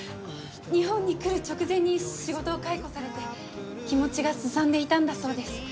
日本に来る直前に仕事を解雇されて気持ちがすさんでいたんだそうです。